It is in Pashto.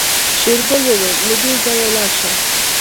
شېرګل وويل له دې ځايه لاړه شه.